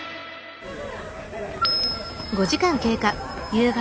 夕方。